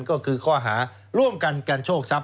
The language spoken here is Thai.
ก็คือข้อหาร่วมกันกันโชคทรัพย